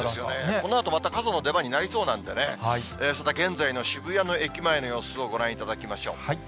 このあとまた傘の出番になりそうなんでね、そして現在の渋谷の駅前の様子をご覧いただきましょう。